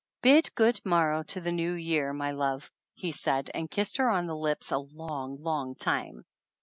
"Bid good morrow to the New Year, my love," he said and kissed her on the lips a long, long time.